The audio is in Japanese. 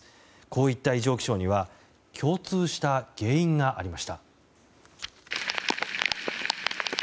こういった異常気象には共通した原因がありました。